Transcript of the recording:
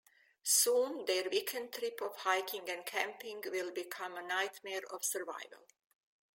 Soon their weekend trip of hiking and camping will become a nightmare of survival.